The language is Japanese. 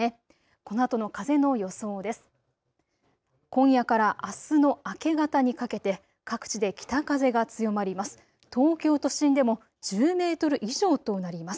このあとの風の予想です。